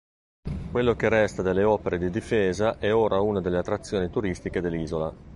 Quello che resta delle opere di difesa è ora una delle attrazioni turistiche dell'isola.